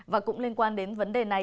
và cũng liên quan đến vấn đề này